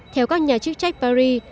theo các nhà chức trách paris